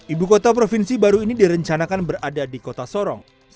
ibu kota provinsi baru ini direncanakan berada di kota sorong